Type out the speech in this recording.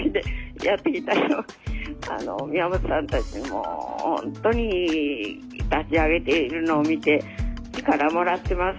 宮本さんたちも本当に立ち上げているのを見て力もらってます